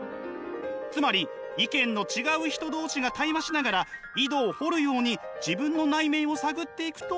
つまり意見の違う人同士が対話しながら井戸を掘るように自分の内面を探っていくと。